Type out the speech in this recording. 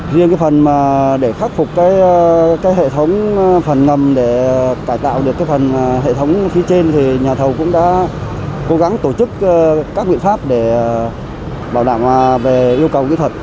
riêng cái phần để khắc phục cái hệ thống phần ngầm để cải tạo được cái phần hệ thống khí trên thì nhà thầu cũng đã cố gắng tổ chức các biện pháp để bảo đảm về yêu cầu kỹ thuật